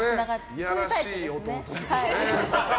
いやらしい弟さんですね。